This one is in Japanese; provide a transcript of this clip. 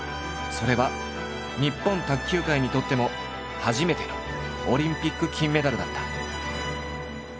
それは日本卓球界にとっても初めてのオリンピック金メダルだった。